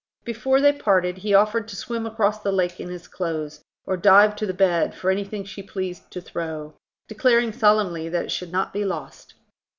Before they parted, he offered to swim across the lake in his clothes, or dive to the bed for anything she pleased to throw, declaring solemnly that it should not be lost.